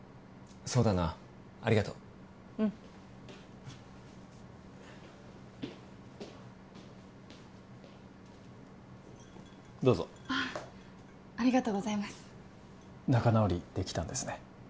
そうだなありがとううんどうぞああありがとうございます仲直りできたんですね